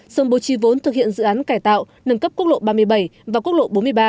sơn bố trì vốn thực hiện dự án cải tạo nâng cấp quốc lộ ba mươi bảy và quốc lộ bốn mươi ba